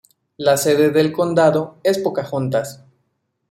La sede del condado es Pocahontas.